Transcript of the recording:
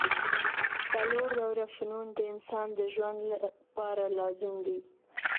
څلور ډوله فنون د انسان د ژوند له پاره لازم دي.